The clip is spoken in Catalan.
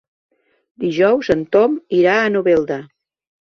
Dijous en Tom irà a Novelda.